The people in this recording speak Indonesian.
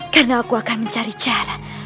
karena aku akan mencari cara